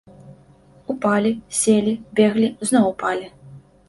Упалі, селі, беглі, зноў упалі.